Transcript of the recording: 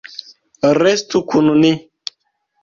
Restu kun ni.